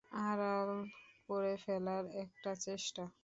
আড়াল করে ফেলার একটা চেষ্টা।